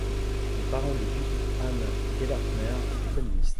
Les parents de Judith Ann Gelernter étaient communistes.